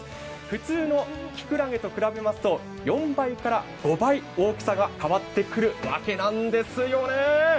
普通のきくらげと比べますと４５倍、大きさが変わってくるわけなんですね。